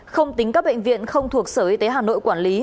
không tính các bệnh viện không thuộc sở y tế hà nội quản lý